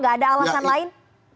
gak ada alasan lain